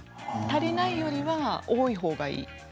足りないよりは多い方がいい。